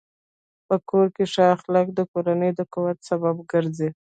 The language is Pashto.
په کور کې ښه اخلاق د کورنۍ د قوت سبب ګرځي.